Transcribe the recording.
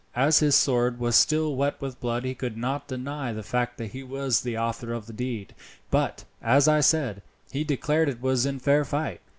As his sword was still wet with blood, he could not deny that he was the author of the deed, but, as I said, he declared it was in fair fight.